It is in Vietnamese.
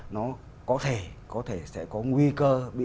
nó có thể có thể sẽ có nguy cơ